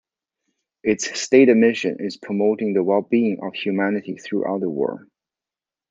Its stated mission is promoting the well-being of humanity throughout the world.